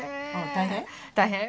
大変。